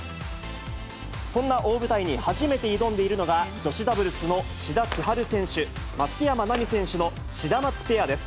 そんな大舞台に初めて挑んでいるのが、女子ダブルスの志田千陽選手・松山奈未選手のシダマツペアです。